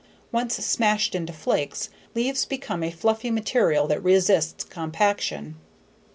Once smashed into flakes, leaves become a fluffy material that resists compaction.